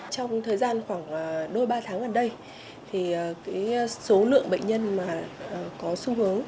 trong thời gian khoảng hai ba tháng gần đây số lượng bệnh nhân có xu hướng